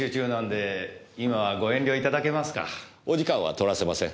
お時間は取らせません。